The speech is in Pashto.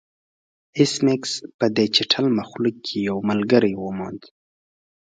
ایس میکس په دې چټل مخلوق کې یو ملګری وموند